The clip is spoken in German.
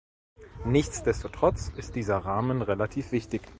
Nichtsdestotrotz ist dieser Rahmen relativ wichtig.